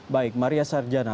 baik maria sarjana